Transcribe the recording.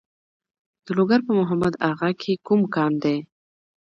د لوګر په محمد اغه کې کوم کان دی؟